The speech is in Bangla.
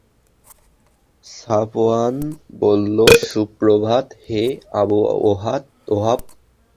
সাফওয়ান বলল, সুপ্রভাত, হে আবু ওহাব!